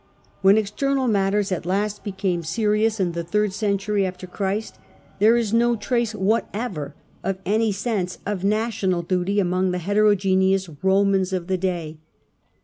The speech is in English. When external matters at last became serious, in the third century after Christ, thei'e is no trace whatever of any sense of national duty among the heterogimeous "Eomans'' of the day.